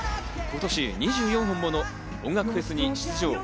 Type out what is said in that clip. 今年２４本もの音楽フェスに出場。